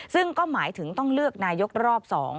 ซึ่งก็หมายถึงต้องเลือกนายกรอบ๒